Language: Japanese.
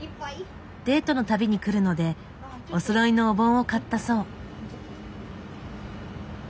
デートの度に来るのでおそろいのお盆を買ったそう。